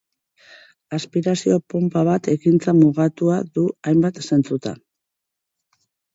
Aspirazio-ponpa bat ekintza mugatua du hainbat zentzutan.